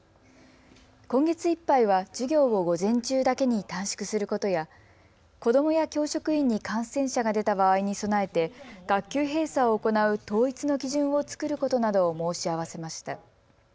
今月いっぱいは授業を午前中だけに短縮することや子どもや教職員に感染者が出た場合に備えて学級閉鎖を行う統一の基準を作ることなどを申し合わせました。